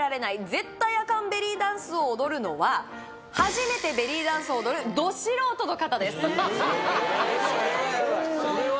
絶対アカンベリーダンスを踊るのは初めてベリーダンスを踊るど素人の方ですははは